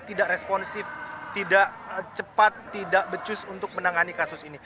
tidak responsif tidak cepat tidak becus untuk menangani kasus ini